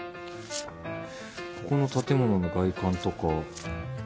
この建物の外観とか。